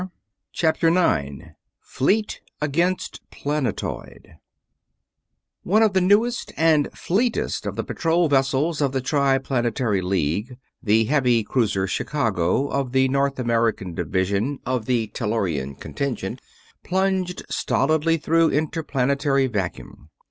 CHAPTER 9 FLEET AGAINST PLANETOID One of the newest and fleetest of the patrol vessels of the Triplanetary League, the heavy cruiser Chicago of the North American Division of the Tellurian Contingent, plunged stolidly through interplanetary vacuum.